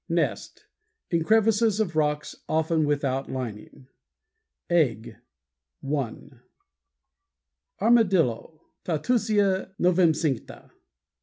NEST In crevices of rocks, often without lining. EGG One. Page 147. =ARMADILLO.= _Tatusia novemcincta.